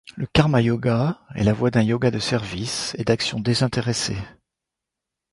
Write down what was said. Le karma yoga est la voie d'un yoga de service et d'action désintéressée.